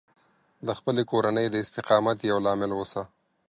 د خپلې کورنۍ د استقامت یو لامل اوسه